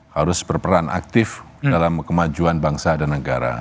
harus berperan aktif dalam kemajuan bangsa dan negara